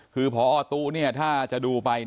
คือพอตู้ถ้าจะดูไป